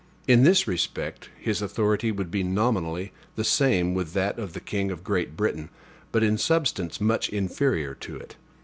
In this respect his authority would be nominally the same with that of the king of Great Britain, but in substance much inferior to it.